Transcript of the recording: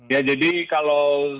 ya jadi kalau